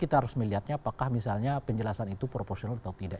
kita harus melihatnya apakah misalnya penjelasan itu proporsional atau tidak